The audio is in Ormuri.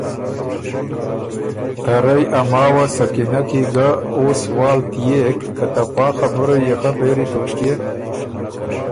ته رئ ماوه سکینۀ کی يې ګه او سوال تيېک که ته پا خبُره يېخه پېری توݭکيې